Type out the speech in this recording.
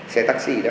xe taxi đó